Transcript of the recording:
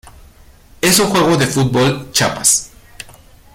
Es un juego de fútbol chapas.